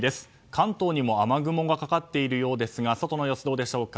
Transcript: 関東にも雨雲がかかっているようですが外の様子、どうでしょうか。